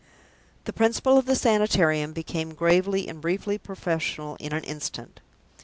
The Principal of the Sanitarium became gravely and briefly professional in an instant.